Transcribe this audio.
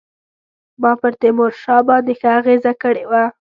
هغه پر تیمورشاه باندي ښه اغېزه کړې وه.